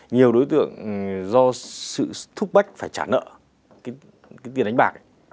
nhiều đối tượng do sự thúc bách phải trả nợ tiền đánh bạc